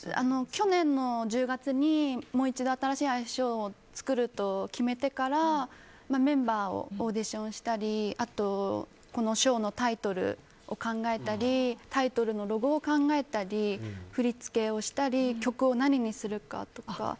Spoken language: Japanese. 去年の１０月にもう一度新しいアイスショーを作ると決めてからメンバーをオーディションしたりあとこのショーのタイトルを考えたりタイトルのロゴを考えたり振り付けをしたり曲を何にするかとか。